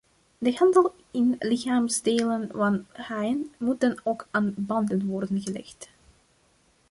De handel in lichaamsdelen van haaien moet dan ook aan banden worden gelegd.